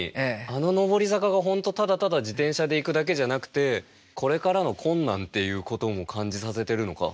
あの「のぼり坂」が本当ただただ自転車で行くだけじゃなくてこれからの困難っていうことも感じさせてるのか。